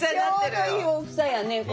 ちょうどいい大きさやねこれ。